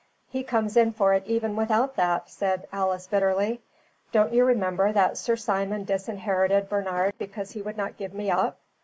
"He comes in for it even without that," said Alice, bitterly. "Don't you remember that Sir Simon disinherited Bernard because he would not give me up?